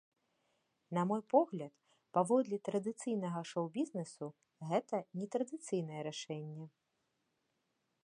На мой погляд, паводле традыцыйнага шоу-бізнесу, гэта нетрадыцыйнае рашэнне.